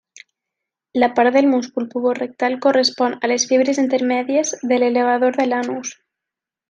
La part del múscul puborectal correspon a les fibres intermèdies de l'elevador de l'anus.